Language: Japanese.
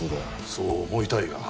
そう思いたいが。